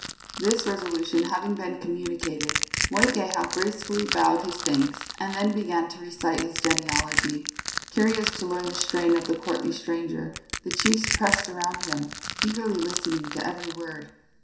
This resolution having been communicated, Moikeha gracefully bowed his thanks, and then began to recite his genealogy. Curious to learn the strain of the courtly stranger, the chiefs pressed around him, eagerly listening to every word.